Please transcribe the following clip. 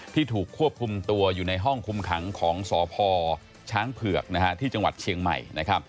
ถูกควบคุมตัวอยู่ในห้องคุมขังของสพช้างเผือกที่จังหวัดเชียงใหม่